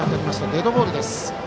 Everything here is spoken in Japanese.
デッドボールです。